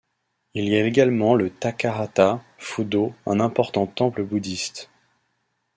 Il y a également le Takahata Fudo, un important temple bouddhiste.